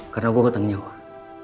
karena gue ketanggung jawab